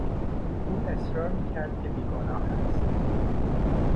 او اصرار میکرد که بیگناه است.